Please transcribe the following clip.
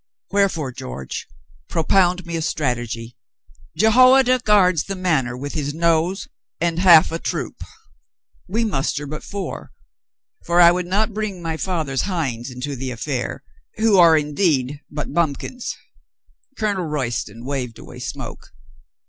Wherefore, George, propound me a strategy. Jehoi ada guards the Manor with his nose and half a troop. We muster but four, for I would not bring my fath er's hinds into the affair — who are indeed but bump kins." UPON THE USE OF A NOSE 71 Colonel Royston waved away smoke.